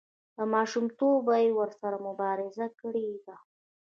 له ماشومتوبه یې ورسره مبارزه کړې ده.